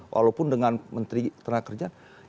walaupun dengan menteri tenaga kerja